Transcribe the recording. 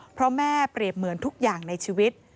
เพราะแม่เปรียบเหมือนทุกอย่างในชีวิต